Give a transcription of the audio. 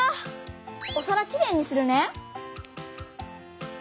おさらきれいにするね。